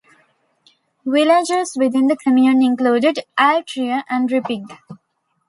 Villages within the commune include Altrier and Rippig.